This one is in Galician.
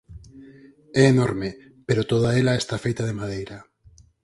É enorme, pero toda ela está feita de madeira.